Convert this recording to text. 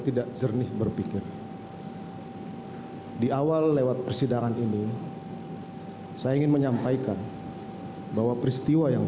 tidak jernih berpikir di awal lewat persidangan ini saya ingin menyampaikan bahwa peristiwa yang